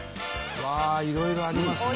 いろいろありますね。